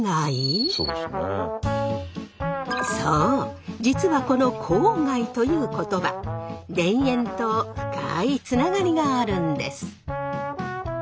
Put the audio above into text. そう実はこの「郊外」という言葉田園と深いつながりがあるんです。